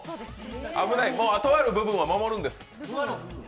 危ない、とある部分を守るんです。